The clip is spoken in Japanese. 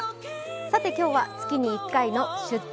さて、今日は月に１回の「出張！